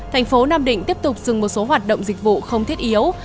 thành phố nam định tiếp tục dừng một số hoạt động dịch vụ không thiết yếu